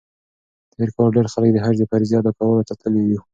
تېر کال ډېر خلک د حج د فریضې ادا کولو ته تللي وو.